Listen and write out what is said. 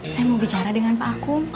saya mau bicara dengan pak aku